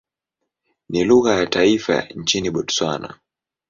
Ni lugha ya taifa nchini Botswana.